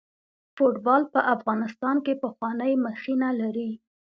فوټبال په افغانستان کې پخوانۍ مخینه لري.